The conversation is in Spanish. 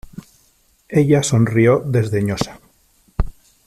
ella sonrió desdeñosa :